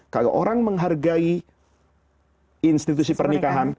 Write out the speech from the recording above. kalau orang menghargai institusi pernikahan